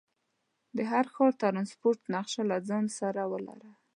د هر ښار د ټرانسپورټ نقشه له ځان سره ولره.